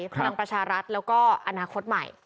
พลังประชารัฐแล้วก็อนาคตใหม่